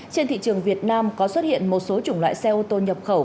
trên thị trường việt nam có xuất hiện một số chủng loại xe ô tô nhập khẩu